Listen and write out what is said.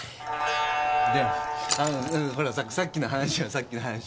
であのほらさっきの話よさっきの話。